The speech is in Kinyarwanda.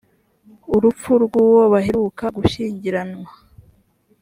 urupfu rw uwo baheruka gushyingiranwa